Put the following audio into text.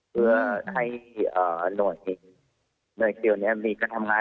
เพื่อให้หน่วยถึงหน่วยเซียวไหนมีการทำงาน